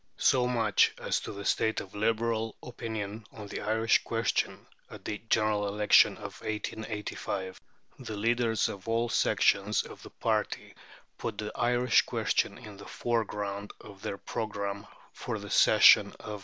So much as to the state of Liberal opinion on the Irish question at the General Election of 1885. The leaders of all sections of the party put the Irish question in the foreground of their programme for the session of 1886.